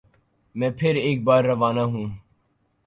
میں پھر ایک بار روانہ ہوں